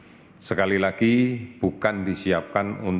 kita bisa getar pelanggan yang benar dan meneroris kebaikan makanan